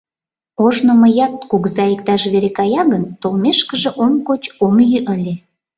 Ожно мыят, кугыза иктаж вере кая гын, толмешкыже ом коч, ом йӱ ыле...